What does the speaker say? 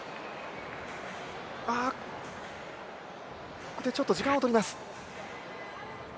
ここでちょっと時間を取ります。